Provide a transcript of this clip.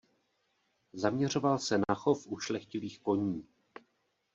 Zaměřoval se na chov ušlechtilých koní.